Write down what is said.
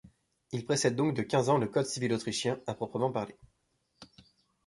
Il précède donc de quinze ans le code civil autrichien à proprement parler.